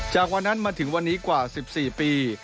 จากวันนั้นมาถึงวันนี้กว่า๑๔ปี